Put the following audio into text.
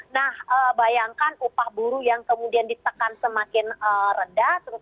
nah bayangkan upah buruh yang kemudian ditekan semakin rendah